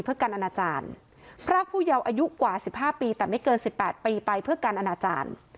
พระผู้เยาว์อายุกว่าสิบห้าปีแต่ไม่เกินสิบแปดปีไปเพื่อการอนาจารย์